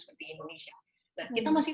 seperti indonesia nah kita masih